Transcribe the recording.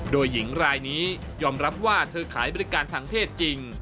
โดยหญิงรายนี้ยอมรับว่าเธอขายบริการทางเพศจริง